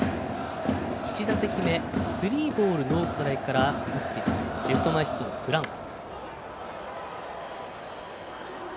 １打席目、スリーボールノーストライクから打っていったレフト前ヒットのフランコ。